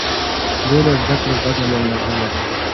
بې له زده کړې ګټه لنډمهاله ده.